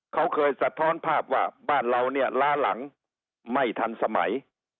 เขาเคยสะท้อนภาพว่าบ้านเราเนี่ยล้าหลังไม่ทันสมัย